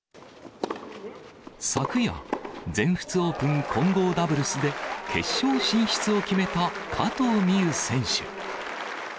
昨夜、全仏オープン、混合ダブルスで決勝進出を決めた加藤未唯選手。